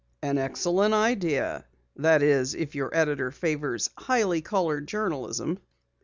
"An excellent idea. That is, if your editor favors highly colored journalism."